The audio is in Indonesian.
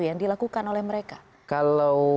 yang dilakukan oleh mereka kalau